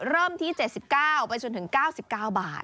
เริ่มที่๗๙ไปจนถึง๙๙บาท